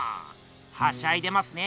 はしゃいでますね。